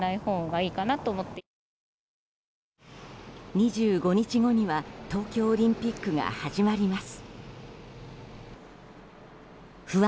２５日後には東京オリンピックが始まります。